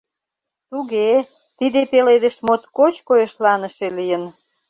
Туге, тиде пеледыш моткоч койышланыше лийын!